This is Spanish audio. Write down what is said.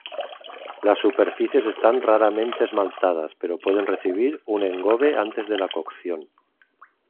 Las superficies están raramente esmaltadas pero pueden recibir un engobe antes de la cocción.